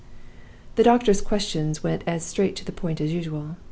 "The doctor's questions went as straight to the point as usual.